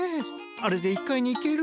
あれで１かいにいける？